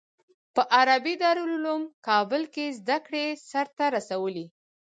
په عربي دارالعلوم کابل کې زده کړې سر ته رسولي.